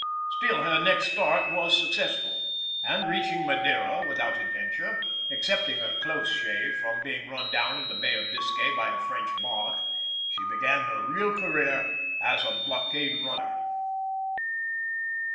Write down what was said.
Still her next start was successful, and reaching Madeira without adventure, excepting a close shave from being run down in the Bay of Biscay by a French barque, she began her real career as a blockade runner.